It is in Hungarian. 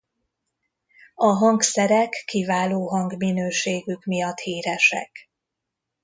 A hangszerek kiváló hangminőségük miatt híresek.